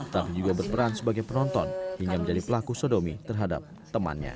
tapi juga berperan sebagai penonton hingga menjadi pelaku sodomi terhadap temannya